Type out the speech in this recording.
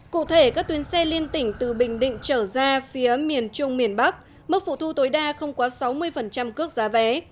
cụ thể các tuyến xe liên tỉnh từ bình định trở ra phía miền trung miền bắc mức phụ thu tối đa không quá sáu mươi cước giá vé